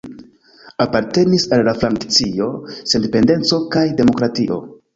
Apartenis al la Frakcio Sendependeco kaj Demokratio.